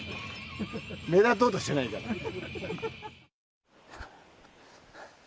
目立とうとしてないから。